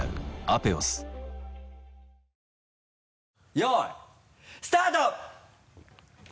よいスタート！